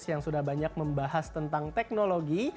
yang sudah banyak membahas tentang teknologi